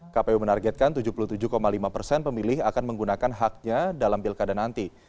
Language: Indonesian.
kpu menargetkan tujuh puluh tujuh lima persen pemilih akan menggunakan haknya dalam pilkada nanti